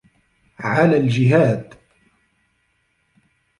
عَلَى الْجِهَادِ